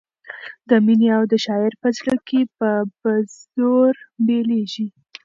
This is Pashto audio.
د مینې اور د شاعر په زړه کې په زور بلېږي.